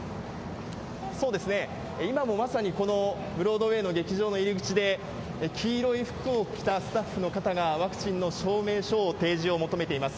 今もまさに、このブロードウェイの劇場の入り口で、黄色い服を着たスタッフの方がワクチンの証明書の提示を求めています。